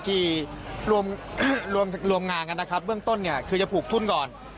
ที่รวมรวมงานกันนะครับเบื้องต้นเนี่ยคือจะผูกทุนก่อน